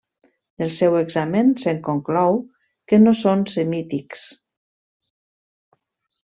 Del seu examen, se'n conclou, que no són semítics.